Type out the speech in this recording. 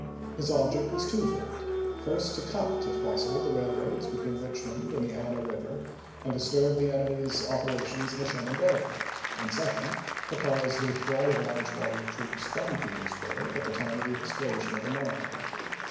His object was twofold ; first, p 578.'' to cut, if possible, the railroads between Eichmond and the Anna Eiver and disturb the enemy's opera tions in the Shenandoah ; and, second, to cause the withdrawal of a large body of troops from Peters burg at the time of the explosion of the mine.